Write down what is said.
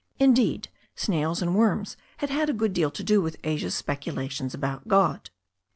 In deed, snails and worms had had a good deal to do with Asia's speculations about God.